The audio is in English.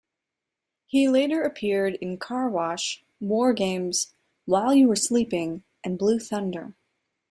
He later appeared in "Car Wash", "WarGames", "While You Were Sleeping", and "Blue Thunder".